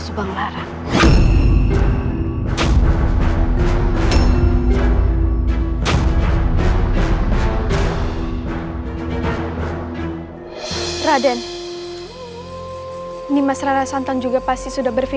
sukurlah kau tidak apa apa mbak sudiwi